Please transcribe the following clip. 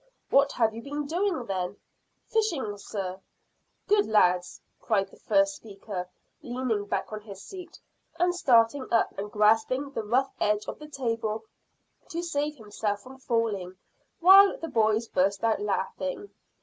"What have you been doing, then?" "Fishing, sir." "Good lads!" cried the first speaker, leaning back on his seat, and starting up and grasping the rough edge of the table to save himself from falling, while the boys burst out laughing.